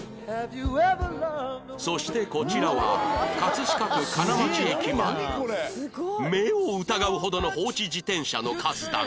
そしてこちらは飾区金町駅前目を疑うほどの放置自転車の数だが